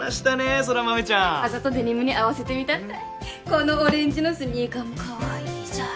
空豆ちゃんわざとデニムに合わせてみたったいこのオレンジのスニーカーもカワイイじゃろ？